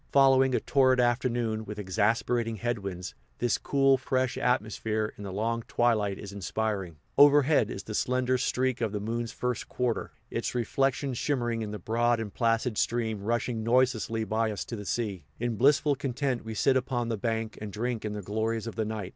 Following a torrid afternoon, with exasperating headwinds, this cool, fresh atmosphere, in the long twilight, is inspiring. Overhead is the slender streak of the moon's first quarter, its reflection shimmering in the broad and placid stream rushing noiselessly by us to the sea. In blissful content we sit upon the bank, and drink in the glories of the night.